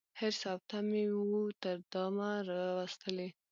حرص او تمي وو تر دامه راوستلی